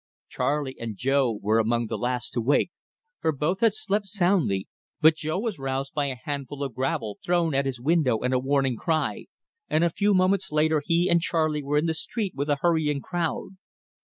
Charley and Jo were among the last to wake, for both had slept soundly, but Jo was roused by a handful of gravel thrown at his window and a warning cry, and a few moments later he and Charley were in the street with a hurrying crowd.